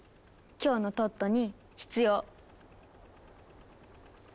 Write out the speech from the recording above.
今日のトットに必要！